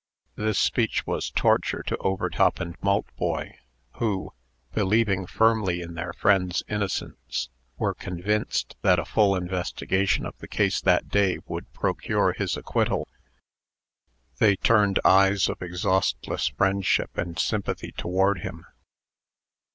This speech was torture to Overtop and Maltboy, who, believing firmly in their friend's innocence, were convinced that a full investigation of the case that day would procure his acquittal. They turned eyes of exhaustless friendship and sympathy toward him.